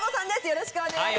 よろしくお願いします。